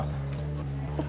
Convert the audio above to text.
hehehe lucu sekali dia